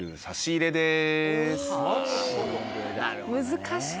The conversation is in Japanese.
難しい。